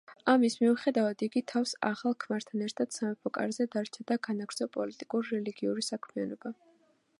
ამის მიუხედავად, იგი თავის ახალ ქმართან ერთად სამეფო კარზე დარჩა და განაგრძო პოლიტიკურ-რელიგიური საქმიანობა.